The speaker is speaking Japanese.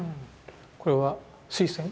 これは水仙？